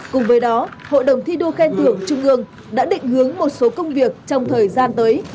cùng với đó hội đồng thi đua khen thưởng trung ương đã định hướng một số công việc trong thời gian tới